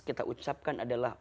kita ucapkan adalah